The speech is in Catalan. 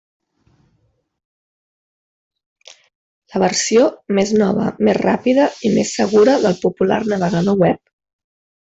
La versió més nova, més ràpida i més segura del popular navegador web.